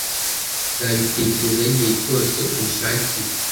nzabitekerezaho igihe cyose ubishakiye